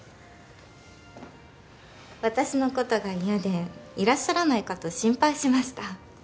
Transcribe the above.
私の事が嫌でいらっしゃらないかと心配しました。